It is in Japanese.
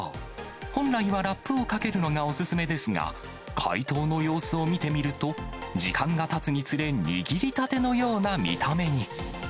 本来はラップをかけるのがお勧めですが、解凍の様子を見てみると、時間がたつにつれ、握りたてのような見た目に。